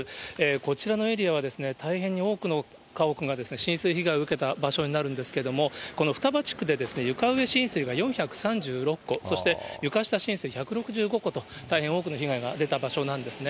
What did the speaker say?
こちらのエリアはですね、大変に多くの家屋が浸水被害を受けた場所になるんですけれども、この双葉地区で、床上浸水が４３６戸、そして床下浸水１６５戸と大変多くの被害が出た場所なんですね。